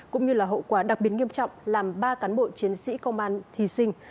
cũng như là hậu quả đặc biệt nghiêm trọng làm ba cán bộ chiến sĩ công an thí sinh